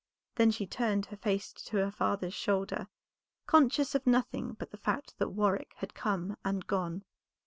Then she turned her face to her father's shoulder, conscious of nothing but the fact that Warwick had come and gone.